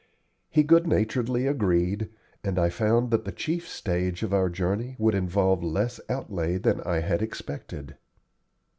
He good naturedly agreed, and I found that the chief stage of our journey would involve less outlay than I had expected.